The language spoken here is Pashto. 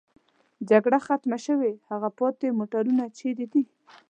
جګړه ختمه شوې، هغه پاتې موټرونه چېرې دي؟